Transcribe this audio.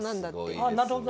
ああなるほどね。